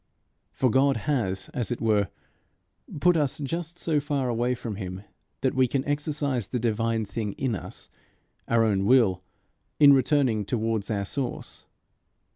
For God has, as it were, put us just so far away from Him that we can exercise the divine thing in us, our own will, in returning towards our source.